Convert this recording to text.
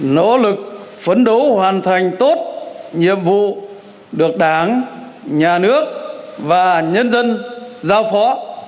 nỗ lực phấn đấu hoàn thành tốt nhiệm vụ được đảng nhà nước và nhân dân giao phó